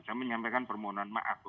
saya menyampaikan permohonan maaf